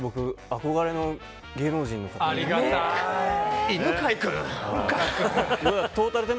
憧れの芸能人の方で。